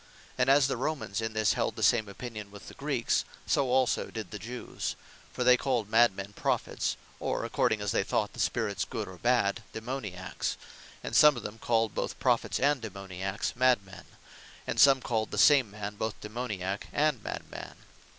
And as the Romans in this, held the same opinion with the Greeks: so also did the Jewes; For they calle mad men Prophets, or (according as they thought the spirits good or bad) Daemoniacks; and some of them called both Prophets, and Daemoniacks, mad men; and some called the same man both Daemoniack, and mad man.